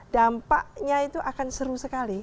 dampaknya itu akan seru sekali